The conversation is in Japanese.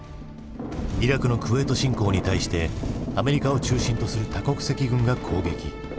イラクのクウェート侵攻に対してアメリカを中心とする多国籍軍が攻撃。